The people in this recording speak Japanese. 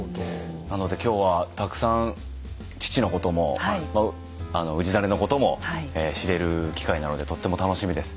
なので今日はたくさん父のことも氏真のことも知れる機会なのでとっても楽しみです。